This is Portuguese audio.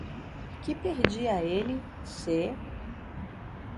Que perdia ele, se...